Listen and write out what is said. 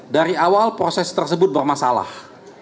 dari awal proses tersebut bermasalah